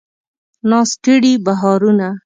ناز کړي بهارونه